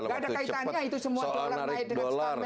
gak ada kaitannya itu semua dolar baik dengan setahun men dan sebagainya